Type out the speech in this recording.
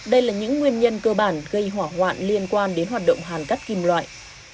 đây là những nguyên nhân cơ bản gây hỏa hoạn liên quan đến hoạt động hàn cắt kim loại